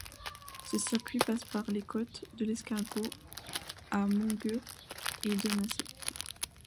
Ce circuit passe par les côtes de l'Escargot, à Montgueux, et de Macey.